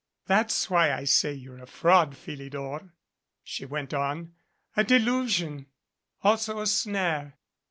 "That's why I say you're a fraud, Philidor," she went on, "a delusion also a snare.